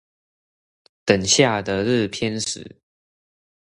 等下的日偏食